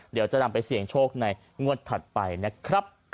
เดี๋ยวจะนำไปเสี่ยงโชคในงวดถัดไปนะครับ